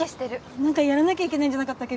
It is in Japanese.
なんかやらなきゃいけないんじゃなかったっけ？